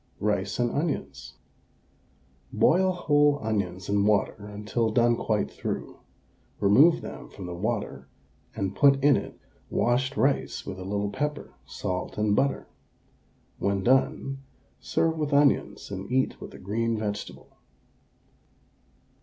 RICE AND ONIONS. Boil whole onions in water until done quite through, remove them from the water, and put in it washed rice with a little pepper, salt, and butter. When done, serve with the onions and eat with a green vegetable.